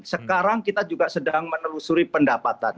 sekarang kita juga sedang menelusuri pendapatan